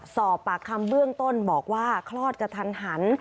สอบปากคำเบื้องต้นบอกว่าคลอดกระทันหัน